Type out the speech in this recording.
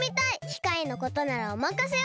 きかいのことならおまかせを！